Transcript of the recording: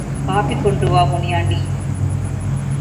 Copy கொண்டுவா முனியாண்டி!